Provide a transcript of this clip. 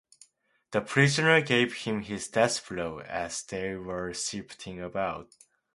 The prisoner gave him his death blow as they were shifting about.